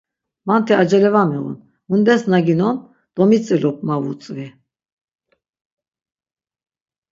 Manti acele va miğun, mundes na ginon domitzilup ma vutzvi.